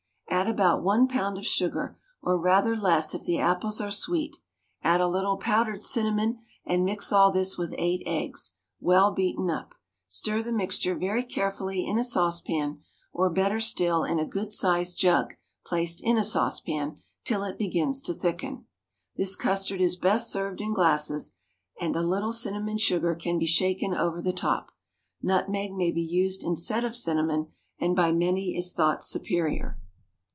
Add about one pound of sugar, or rather less if the apples are sweet; add a little powdered cinnamon, and mix all this with eight eggs, well beaten up; stir the mixture very carefully in a saucepan, or better still in a good sized jug placed in a saucepan, till it begins to thicken. This custard is best served in glasses, and a little cinnamon sugar can be shaken over the top. Nutmeg may be used instead of cinnamon, and by many is thought superior.